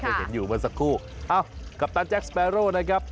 เห็นอยู่เมื่อสักครู่เอ้ากัปตันแจ็คสเปโร่นะครับ